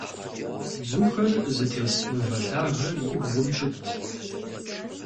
Бзухэр зытес мывэ лъагэр и бгъум щытт.